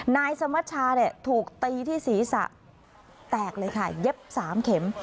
นายสมชาเนี่ยถูกตีที่ศีรษะแตกเลยค่ะเย็บ๓เข็ม